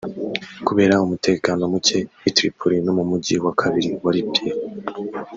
Kubera umutekano muke i Tripoli no mu mujyi wa kabiri wa Libya